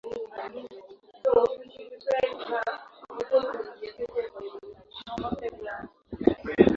hilo lilikumbwa na vurugu za waathirika wa madawa